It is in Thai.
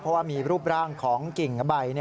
เพราะว่ามีรูปร่างของกิ่งใบ